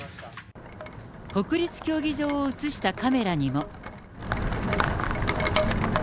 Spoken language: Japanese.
国立競技場を写したカメラにも。